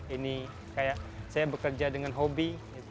ini kayak saya bekerja dengan hobi